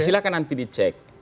silahkan nanti dicek